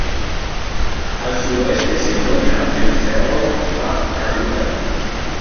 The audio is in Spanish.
Al sudoeste se encuentra el Cerro Pan de Azúcar.